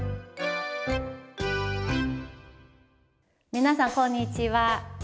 皆さん、こんにちは。